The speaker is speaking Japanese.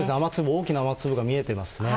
大きな雨粒が見えていますね。